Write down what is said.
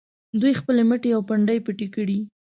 دوی خپلې مټې او پنډۍ پټې کړي.